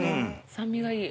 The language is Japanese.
酸味がいい。